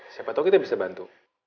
siapa tahu kita bisa bantu